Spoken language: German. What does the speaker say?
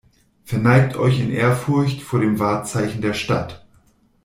Verneigt euch in Ehrfurcht vor dem Wahrzeichen der Stadt!